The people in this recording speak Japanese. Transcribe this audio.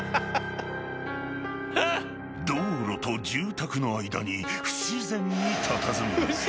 ［道路と住宅の間に不自然にたたずむ］